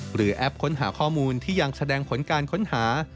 แอปค้นหาข้อมูลที่ยังแสดงผลการค้นหา